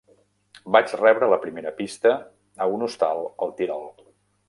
Vaig rebre la primera pista a un hostal al Tirol.